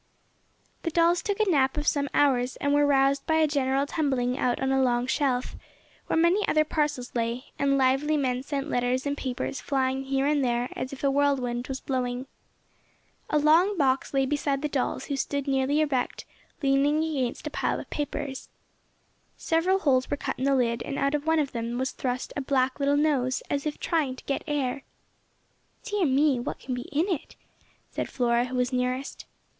The dolls took a nap of some hours, and were roused by a general tumbling out on a long shelf, where many other parcels lay, and lively men sent letters and papers flying here and there as if a whirlwind was blowing. A long box lay beside the dolls who stood nearly erect leaning against a pile of papers. Several holes were cut in the lid, and out of one of them was thrust a little black nose, as if trying to get air. "Dear me! what can be in it?" said Flora, who was nearest.